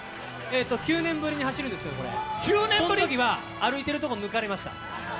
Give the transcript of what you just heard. ９年ぶりに走るんですけど、そのときは歩いてるところ抜かれました。